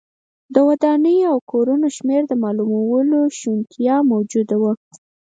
د ودانیو او کورونو شمېر د معلومولو شونتیا موجوده وه.